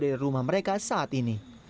dari rumah mereka saat ini